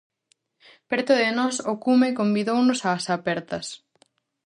Preto de nós o cume convidounos ás apertas.